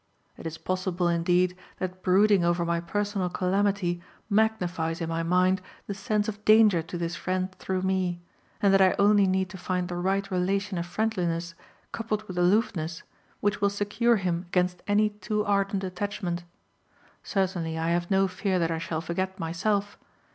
It is possible, indeed, that brooding over my personal calamity magnifies in my mind the sense of danger to this friend through me, and that I only need to find the right relation of friendliness coupled with aloofness which will secure him against any too ardent attachment. Certainly I have no fear that I shall forget myself.